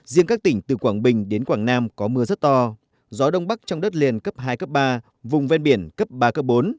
riêng các tỉnh từ quảng bình đến quảng nam có mưa rất to gió đông bắc trong đất liền cấp hai cấp ba vùng ven biển cấp ba bốn